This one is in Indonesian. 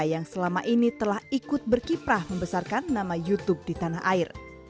yang selama ini telah ikut berkiprah membesarkan nama youtube di tanah air